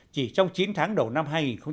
chỉ trong chín tháng đầu năm hai nghìn một mươi tám